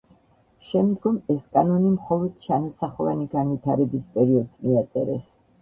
შემდგომ ეს კანონი მხოლოდ ჩანასახოვანი განვითარების პერიოდს მიაწერეს.